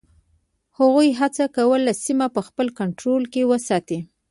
هغوی هڅه کوله سیمه په خپل کنټرول کې وساتي.